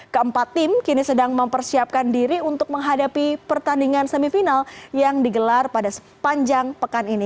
keempat tim kini sedang mempersiapkan diri untuk menghadapi pertandingan semifinal yang digelar pada sepanjang pekan ini